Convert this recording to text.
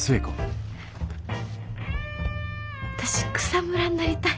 私草むらになりたい。